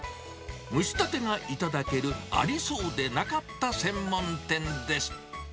蒸したてが頂ける、ありそうでなかった専門店です。